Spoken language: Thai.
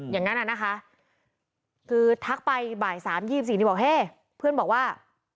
อย่างนั้นอะนะคะคือทักไปบ่าย๓๒๔นี่บอกเฮ่เพื่อนบอกว่า